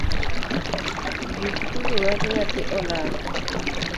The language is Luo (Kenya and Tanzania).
Gik tugo mag nyathi olal.